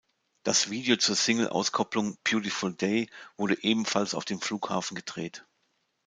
Das Video zur Single-Auskopplung "Beautiful Day" wurde ebenfalls auf dem Flughafen gedreht.